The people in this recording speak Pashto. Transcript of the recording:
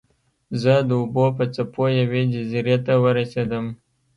زه د اوبو په څپو یوې جزیرې ته ورسیدم.